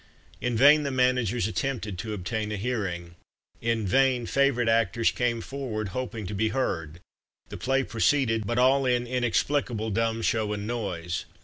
In vain the managers attempted to obtain a hearing in vain favourite actors came forward, hoping to be heard the play proceeded, but all in "inexplicable dumb show and noise."